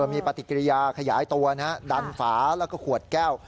มีปฏิกิริยาขยายตัวดันฝาแล้วก็ขวดแก้ว